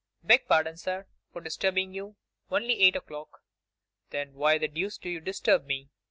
'Beg pardon, sir, for disturbing you; only eight o'clock.' 'Then why the deuce do you disturb me?